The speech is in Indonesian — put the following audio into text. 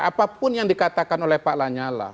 apapun yang dikatakan oleh pak lanyala